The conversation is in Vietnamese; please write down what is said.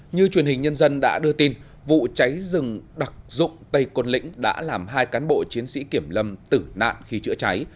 như truyền hình nhân dân đã đưa tin vụ cháy rừng đặc dụng tây côn lĩnh đã làm hai cán bộ chiến sĩ kiểm lâm tử nạn khi chữa cháy